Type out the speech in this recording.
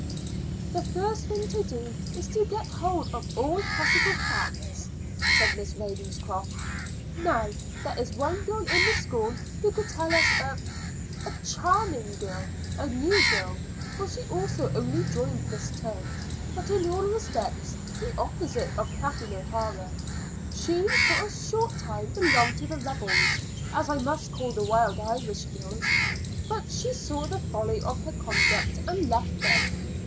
"The first thing to do is to get hold of all possible facts," said Miss Ravenscroft. "Now, there is one girl in the school who could tell us a charming girl, a new girl for she also only joined this term but in all respects the opposite of Kathleen O'Hara. She for a short time belonged to the rebels, as I must call the Wild Irish Girls, but she saw the folly of her conduct and left them.